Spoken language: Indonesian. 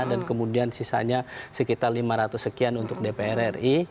dan kemudian sisanya sekitar lima ratus sekian untuk dpr ri